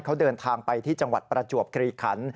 เขาเดินทางไปที่จังหวัดประจวบคลีขัน